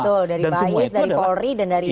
betul dari bais dari polri dan dari